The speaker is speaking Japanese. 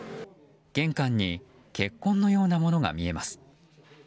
玄関に血痕のようなものが見えます。